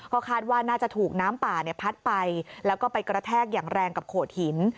ก็คาดว่าน่าจะถูกน้ำป่าพัดไปแล้วก็ไปกระแทกอย่างแรงกับโขดหิน